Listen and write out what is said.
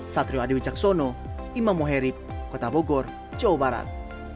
satrio adewi caksono imam mohirip kota bogor jawa barat